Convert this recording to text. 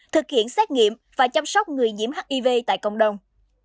thực hiện xét nghiệm và chăm sóc người nhiễm hiv tại cộng đồng